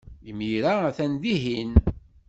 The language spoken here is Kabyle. Imir-a, atan dihin.